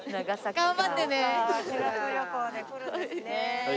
頑張ってね。